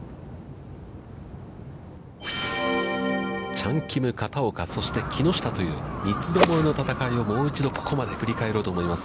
チャン・キム、片岡、そして木下という三つどもえの戦いをもう一度振り返ろうと思います。